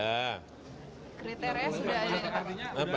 kriterianya sudah ada pak